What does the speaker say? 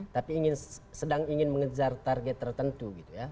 tapi sedang ingin mengejar target tertentu gitu ya